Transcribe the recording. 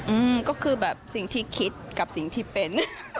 อืมก็คือแบบสิ่งที่คิดกับสิ่งที่เป็น